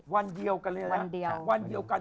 วันเดียวกันเลยนะวันเดียวกัน